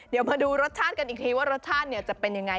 เดี๋ยวมาดูรสชาติกันอีกทีว่ารสชาติจะเป็นยังไง